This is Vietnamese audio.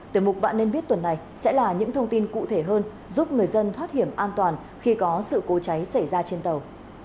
từ mục bạn nên biết tuần này sẽ là những thông tin cụ thể hơn giúp người dân thoát hiểm an toàn khi có sự cố cháy xảy ra trên tàu